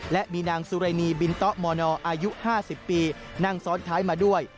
และมีนางสุเรนีบินตะมนอายุ๕๐ปีนั่งซ้อนท้ายมาด้วย